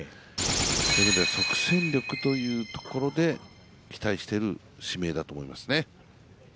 そういう意味では即戦力というところで期待している指名だと思います。